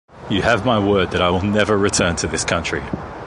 You have my word that I will never return to this country.